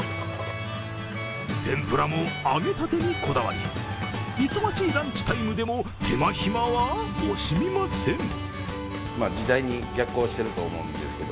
天ぷらも揚げたてにこだわり、忙しいランチタイムでも手間暇は惜しみません。